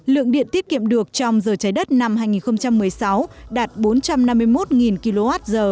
lượng điện tiết kiệm được trong giờ trái đất năm hai nghìn một mươi sáu đạt bốn trăm năm mươi một kwh